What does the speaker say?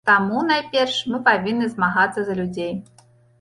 Таму, найперш, мы павінны змагацца за людзей.